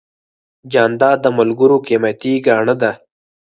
جانداد د ملګرو قیمتي ګاڼه ده.